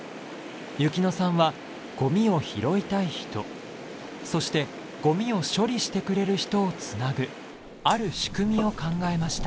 由希乃さんはゴミを拾いたい人そしてゴミを処理してくれる人を繋ぐある仕組みを考えました。